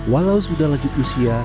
walau sudah laju usia